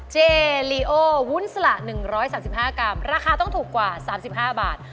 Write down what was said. เจลีโอวุ้นสละ๑๓๕กรัมราคาต้องถูกกว่า๓๕บาท